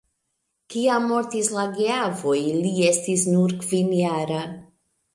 Kiam mortis la geavoj, li estis nur kvinjara.